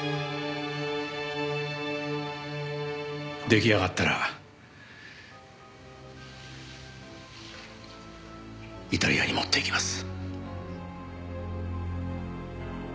出来上がったらイタリアに持って行きます。